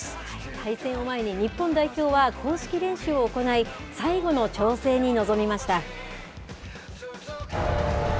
対戦を前に、日本代表は公式練習を行い、最後の調整に臨みました。